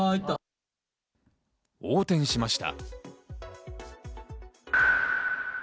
横転しました。